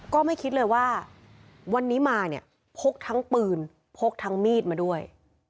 ก็ไม่คิดเลยว่าวันนี้มาเนี่ยพกทั้งปืนพกทั้งมีดมาด้วย